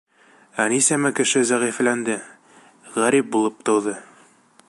Ә нисәмә кеше зәғифләнде, ғәрип булып тыуҙы?